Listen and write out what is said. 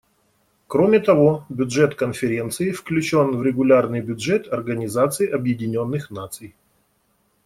Кроме того, бюджет Конференции включен в регулярный бюджет Организации Объединенных Наций.